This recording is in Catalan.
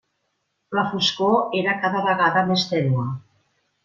La foscor era cada vegada més tènue.